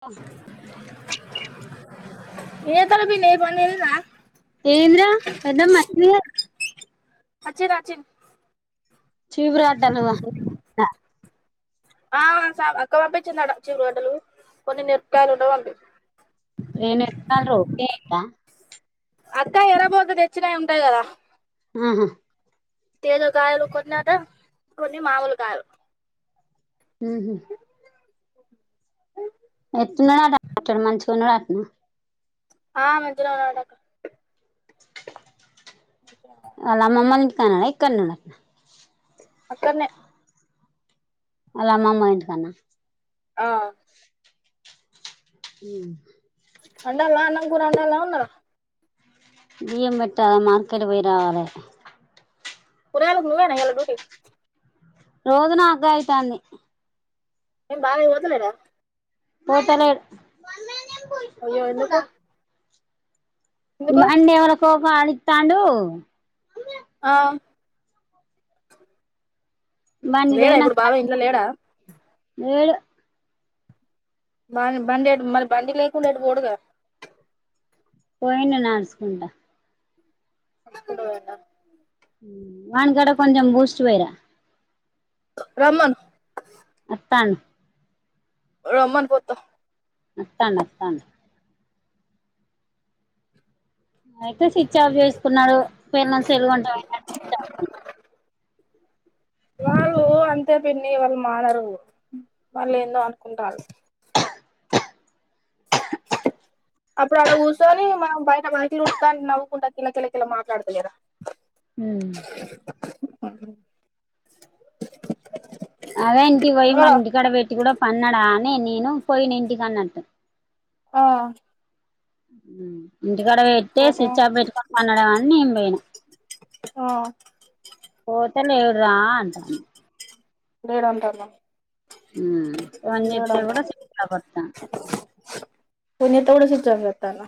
ఓ ఏ తడబీ నీ పనిఅయిందా ఏందిరా పెద్దమ్మ మట్ అచ్చిర్రా చిన్ చీవ్ రాడ్ అన్నవా [inaudible] [unintelligible] అక్క పంపిచ్చిందట చివురు గడలు కొన్ని మిర్ప్ కాయలుంటే పంపి [inaudible] అక్క అత్త ఎరబోతు తెచ్చినయి ఉంటాయి గదా ఆహా తేదోకాయలు కొన్ని అట కొన్ని మామూలు కాయలు ఊహూ [inaudible] మంచిగున్నడటనా ఆ మంచిగనే ఉన్నడట క ఆళ్ళమ్మమ్మని కానడా ఇక్కన్నున్నట్నా అక్కన్నే ఆళ్ళ అమ్మమ్మోళ్ళ ఇంటి కాన్నా ఆ ఊ అండాల్నా అన్నం కూర అండాలా ఉన్నరా బియ్యం పెట్టాల మార్కెట్ పోయి రావాలె కొయాళ్కు నువ్వేనా ఎలా డూటీ రోజు నాగా కాలుతోంది నేను బాగా ఎరుతున్నానా పోతనే అయ్యో ఎందుకు ఎందుకు అన్నే వరస వాడుతాండు ఆ లేడా ఇప్పుడు బావ ఇంట్లో లేడా లేడూ బ బండి అ మళ్ళీ బండి లేకుండా అటు పోడూకదా పోయిన నడుచుకుంటా అకుడుద వణగాడం కొంచెం బూస్ట్ వైరా రమ్మను వస్తాను రమ్మను పోతా వస్తాను వస్తాను అయితే స్విచ్ ఆఫ్ చేసుకున్నాడు పల్లుగుంటా వాళ్ళు అంతే పిన్ని వాళ్ళు మారారు వాళ్ళ ఏందో అనుకుంటారు అప్పుడు అడ కూర్చోని మనం బయట వాకిలి ఉడుత్తాం అని నవ్వుకుంటా కిల్లకిలకిల మాట్లాడతలేదా. ఉమ్ అన్నం అదే ఇంటికి పోయి మన ఇంటి కడ పెట్టి కూడా పన్నడా అని నేను పోయిన ఇంటికి అన్నట్టు ఆ ఉనా ఊ ఇంటికాడ పెట్టి పోతే స్విచ్ ఆప్ పెట్టుకొని పండడేమో అని నేను ఆ పోయిన ఇత్తనే ఏ రా అంట లేేడంటారు ఫోన్ చేస్తే కూడా స్విచ్ ఆఫ్ వత్తంది. పిన్నీతో కూడ స్విచ్చాఫ్ వత్తందా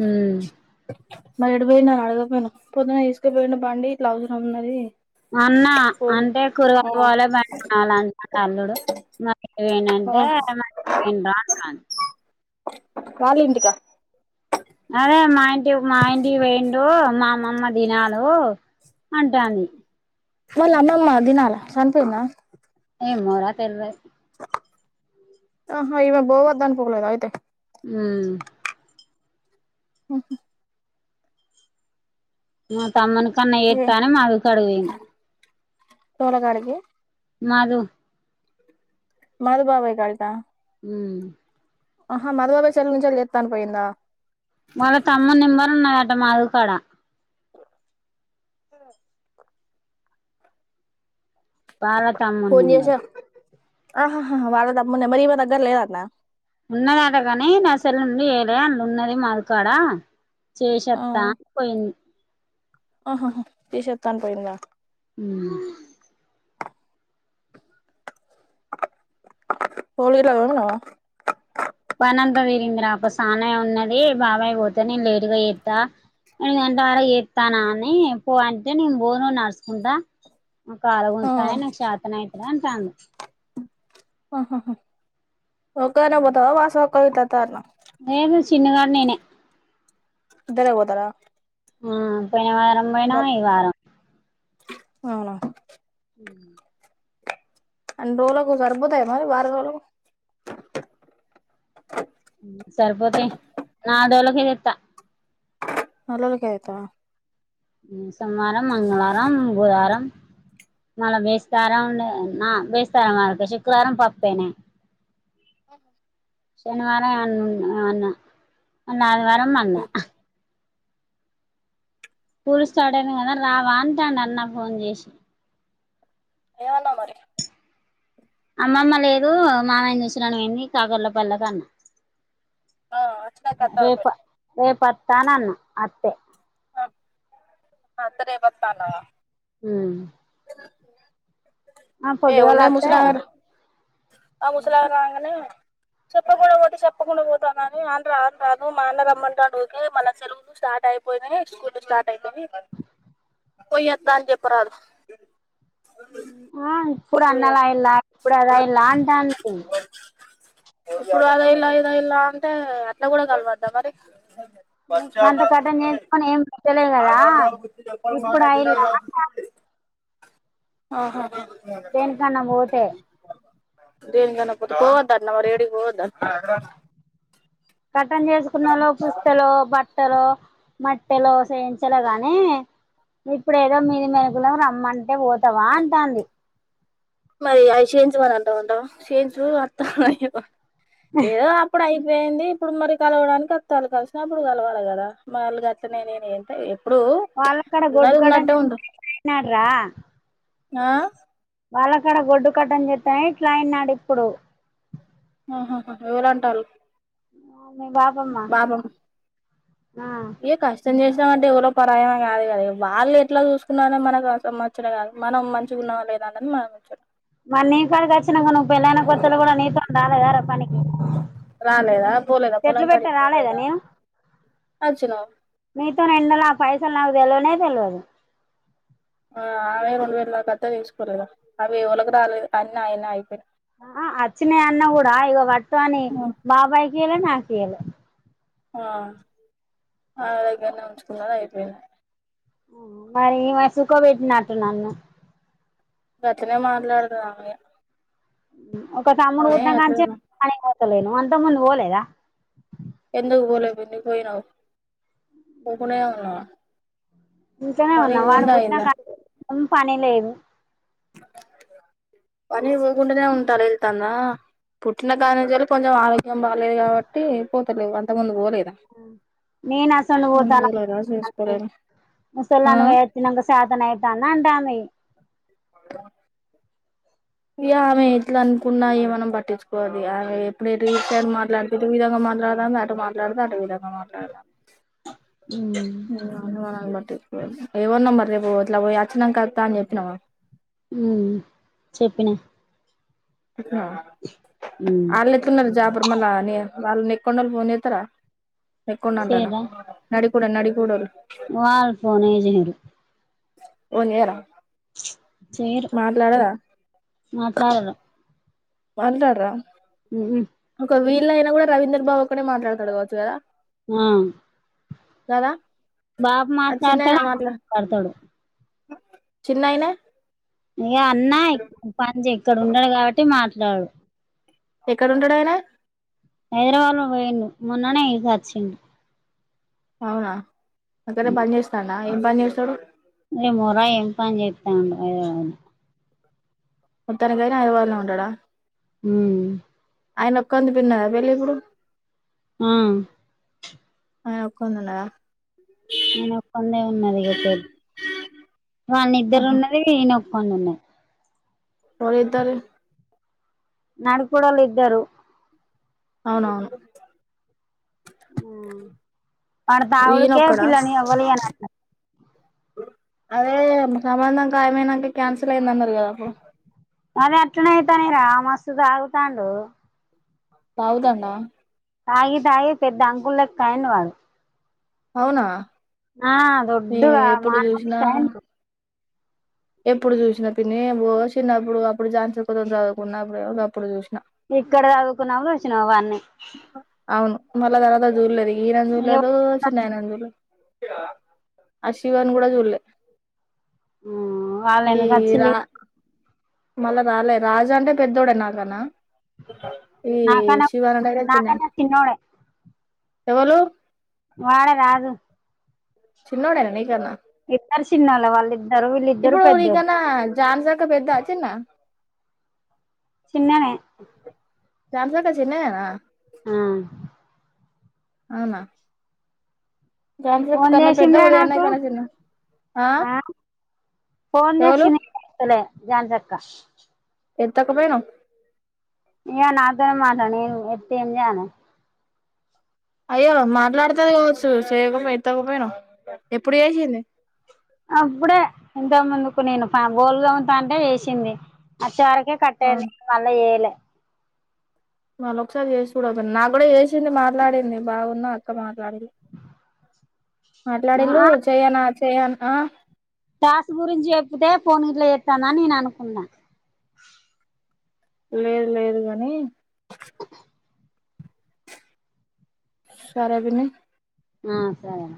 ఉమ్ మరి ఎటు పోయిండు అడకపోయాను పొద్దున్న తీసుకపోయిను బండి ఇట్లా అవసరం ఉంది అన్నా అంటే కూరగాయలు పోవాల బ చాల అంట అల్లుడు పోయిండు ఆ అంటే ఏమన్ రా వాళ్ళ ఇంటికా అదే మా ఇం మాయంటికి పోయిండు మామా దినాలు అంటాంది మళ్ళ అమ్మమ్మ దినాల సనిపోయిందా ఏ మోరా తెల్ ఆహో ఇమె బో వద్ద అను పోగలేద అయితే ఉమ్ హహ మా తమ్మన కు కన్న ఏతను మ కడుగు వేయండి తోలగాడికి మాధు మాధు బాబాయ్ కి వత్తా హుమ్మ్ ఆహా మధు బాబాయి చెల్లలి నుంచి వెళ్ళ చేత్తా అని పోయిందా వాళ్ళ తమ్ముణ్ణి నంబర్ ఉన్నదంట మాధవ కాడ ఆ పాల తమ్మున్ నెంబర్ ఆహా హా హా వాళ్ల తమ్ముడి నంబర్ ఈమె దగ్గర లేదు అన్న ఉన్నదంటగాని నా సెల్ నుండి చేయాలన్ న్ ఉన్నది మాధు కాడా చూషోత్త పోయింది ఆహాహ తీషోత్తాన్ పోయింద ఉహ్మ్ బోర్లు గిట్ల తోమినవా పనంతా తీరింది రా ఒక స్నానం ఉన్నది. బాబాయ్ పోతే నేను లేటుగా ఏత్త ఇగ అంత వరకి చేస్తానా అని పో అంటే నేను బోను నడుసుకుంటా నాకు కాలు ఆ గుంజుతున్నాయి నాకు షాతన అైతే ఆనంటాండు ఆహాహా ఒక్కదానివే పోతావా వాస్ [unintelligible] అత్తరాట్న నేను చిన్నదానెన్నే ఇద్దరే పోతారా ఆహ్ పోయిన వారం పోయినా ఇద్దరు ఈ వారం అవునా అన్రోలకు సరీబోతయా మరి వారం రోలకు సరిపోతాయి నాలు రోలకే తెత్త నాలురోలకే తెత్తవా ఉహ్ సోమ్మరం, మంగళవారం, బుధవారం మల్ల బేస్తారం ఉండదు నా బేస్తారం వదు శుక్రరం పప్పేనే శనివారం అ అన్నా మొన్న ఆదివారం మల్ల కూలు స్టార్ట్ అయినయ్ కదా రావా అంటాండాన్న ఫోన్ చేశి ఎవన్నావ్ మరి అమ్మమ్మ లేదు మావయ్యని చూసిరాను పోయింది కాకర్ల పల్లకన్న ఆ అచ్చినాక వత్తాలే రేప పోయిరా రేపత్తానన్న అత్తే అత్తే రేపొత్తా అన్నవా ఉహ్మ్ ఉ [unintelligible] ఏ పొద్దుగాల ఉన్నాది అత్తే ముసలామెనూ ఆ ముసలామే రంగనే చెప్పకుండా పోతే చెప్పకుండా పోతానని అంటా రాదు మా అన్న రమ్మంటండు వదినే, మల్ల సెలవుకు స్టార్ట్ అయిపోయినాయి, స్కూల్ స్టార్ట్ అయిపోయినీ పొయ్యొత్త అని చెప్పరాదు. ఆ ఇప్పుడు పోయొద్దు అన్నలయిలా ఇప్పుడు అదయిలా అంటాంది. ఇప్పుడు అదయిల్లా, ఇదయిల్లా అంటే అట్లా కూడా కలవద్ద మరి దంత కట్ట చేసుకని ఏం [unintelligible] ఆగడ రా [unintelligible] ప చెప్ప మా ఇప్పుడు వినా అయిలా రా అంటాంది ఆహా దేనికన్నా పోతే టని ప బ తన్నవరు ఎడిపోద మట్టలు మట్టెలో చేయించలే గాని ఇప్పుడ ఏదో మీది మరుగులం రమ్మ అంటే పోతావా అంటాంది మరి అవి చేయించు అని అంటా ఉంటాం చేయించు అర్త అ ఏదో అడ వేంది ఇప్పుడు మరి కలవడానికి అళ కలిసిన అప్పుడు కలవాలి కదా మళ్ళ గ అట్నే నేను ఏంట వాళ్ళ కడ గొడ్ కడ మానాడ్రా ఆ వాళ్ళక్కడ గొడ్డు కట్టం చెత్తాయిట్లాయిన్నాడుప్పుడు ఆహాహ ఎవర అంటారు మీ బాపమ్మ బాబామ్ ఆ ఏ సంజ ం అంటే ఎవరో పరాయంమ కాదు కదా వాళ్ళు ఎట్లా చూసుకున్నారో మనకు అసం వచ్చర కాదు మనం మంచిగా ఉన్నా లేదా అన్నది మనం వచ్చం మరి నీ కాడికి వచ్చినాక నువ్వు పెళ్ళైన కొత్తలు కూడా నీతో రాలే గారు పనికి రాలేదా పోలేదా ఇట్లు పొలం పెట్టా కాడికి రాలేదా పోలేదా నేను వచ్చినావు మీతో రంండలాపాయ దు ఎల్వనేద తెల్ అదు ఆ ఆమె రెండు వేల ద కత్తా తీసుకోలేదు అవి ఎ ళకి రాలేదు అన్ని అయ అయిపోయి ఆ వచ్చిన అన్న కూడా ఇక వటు అని బాబాయ్ కల నా కేయాల ఆ ఆ దగ్గరనే ఉంచుకున్నాను అయిపోపో మరి మ సుఖం పెట్టినట్టు నన్ను గతనే మాట్లాడదాడి ఒక తమ్ముడు కూట్ కాని చెప్ప అతలేను అంతా ముందు ఓలేద ఎందుకు పోలే పి పోయినావు ఒకునేవున్నా ఇంకనే ఉన్నాం వాడు పుట్టినాకంటం పని లేదు పని పోకుంటూనే ఉంటారు వెళ్తుందా పుట్టిన కానిజ కొంచెం ఆరోగ్యం బాలేదు కాబట్టి పోతారు అంత ముందు పోలేదు నేను అసండి పోతాను పోలేదా చేసుకోలేదా ఆ ముసలాను వేచ్చినక శాతన అవుతాను అంటాను ఇ ఆమె ఎట్లా అనుకున్నాయి మనం పట్టించుకోవాలి ఆమె ఎప్పుడ సైడ్ మాట్లాడుతే ఈ విధంగా మాట్లాడదా అ అటు మాట్లాడదుా అటు విధంగా మాట్లాడదాం మా ఎమన్నా మరి రేపు అట్లా పోయి వచ్చినం కస్తా అని చెప్పినాము చెప్పిన అళ్లేతున్నారు జాప తర్మల్ అని వాళ్ళ న ఎక్క్కండ వాళ్ళ పోోన్తారా ఎకుండ ఉంటనా న కుడడాడి కూూడ మ వాల్ ఫోనేజరు మన్ేర సేరు మాట్లాడరు మాళ్లాడరా ఉహు కవి ఇలా అయినా కూడా రవీంద్రబాబు ఒకనే మాట్లాడడుడవచ్చుదా ఆ బాబు మాట్లాడతాడు ఆమ్ మాట్లాడతాడు చిన్నయినా ఇక అన్నా ప ఇక్కడ ఉండడు కాబట్టి మా ాడు ఎక్కడంటాడుయనా హైదరాబాద్ లో పోయిండు మొన్ననే ఇకచ్చిండు అవునా అగర బజేస్తా నా ఏం బా నిసోడు తప్ప అని చెప్తా ఉం అదే అ ముత్తనకయ అయబదు ఉండడా హ ఆయన ఒక్కంది పిన్నదా వెళ్ళి ఇప్పుడు ఆ ఆ ఒక్కన్నలయా నేన ఒక్కందే ఉన్నది గతే వాని ఇద్దరు ఆహా ఉన్నది ఈయనొ పన్న ఉన్నా ఎవలిద్దరు నడుకడలుద్దారు అవునవును అ తవిడుక ఈయనొక్కడా పిల్లనివళ ఏ అదే సంబంధం ఖయమనాక కన్సల్ అయింద అన్నారు కదా అ అద ఎట్నే అయితానే రా మస్తు తాగుతాండు హవుదన్న ఆయిదయి పెద్ద అంగులులక్కయన వాళ్ళ అవునా ఆ ఏ దొడ్డుగా ఎప్పుడు చూసినా మానయంట ఎప్పుడు చూసినా పి చిన్నప్పుడు అప్పుడు జాన్ర్ కోతం చదువుకున్నప్పుడు అప్పుడు చూసిన ఇక్కడ చదువుకున్నా వచ్చినవన్ని అవును మళ్ళా తర్వాత చూడలేది ఈ ఇగ నందుూలదు చిన్నయి నందుూలు ఆశివన్ కూడా చూల్లే వాళ్ళను రా చ్చిలి మళ్ళా రాలే రాజు అంటే పెద్దోడే నాకన్నా ఏ నాకన్నా శివనగరా చిన్నను నాకన్నా చిన్నోడే ఎవళ వాళ రాదు చిన్నోడనా నీకన్నా ఇద్దరు చిన్నాల వాళ్ళు ఇప్పుడు ఇకన్నా జాన్సాక పెద్ద చిన్న కు స్యాంసంగ్ చిన్ననా ఆ అవునా ఝాన్సీ అక్క ఫోన్ కన్నా పెద్ద చేసిన్ద్ర ఉదయ్ నాకు అన్నయ్య కన్నా చిన్న ఆ ఫోన్ ఎవలు చేసిందలే ధన్ రక్క ఎద్దకు భైనా న నాతోనే మాట న ఎతింజను అయ్యో మాట్లాడుతేది కావచ్చు చేయకపో ఎడతకపోయినా ఎప్పుడు చేసింది అప్పుడే ఇంత ముందుకు నేను బోల్గామ్ త అంటే వేసింది ఆ కట్టడి అవును మళ్ ఏళ మళ్ళ ఒకసారి చేసి చూడపోంది నా కూడా చేసింది మాట్లాడింది బాగున్న అక్క మాట్లాడింది మాట్లాడిళ్ళు ఆ చేయనా చేయాను ఆ టాస్క్ గురించి చెప్పితే ఫోన్ ఇట్ల చేత్తాందా అని నేను అనుకున్నా లేదు లేదు గని సరే పిన్ని ఆ సరే రా